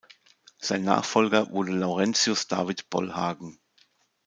Sein Nachfolger wurde Laurentius David Bollhagen.